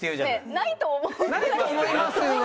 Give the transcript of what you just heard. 「ないと思います」は。